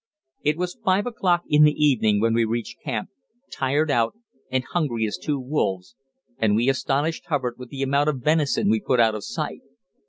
It was five o'clock in the evening when we reached camp, tired out and as hungry as two wolves, and we astonished Hubbard with the amount of venison we put out of sight.